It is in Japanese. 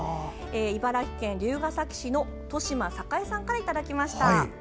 茨城県龍ケ崎市の戸嶋栄さんからいただきました。